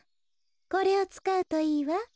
これをつかうといいわ。